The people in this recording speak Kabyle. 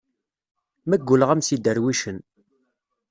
Ma gguleɣ-am s iderwicen.